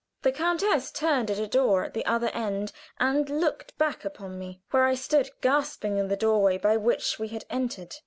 The countess turned at a door at the other end and looked back upon me where I stood gasping in the door way by which we had entered.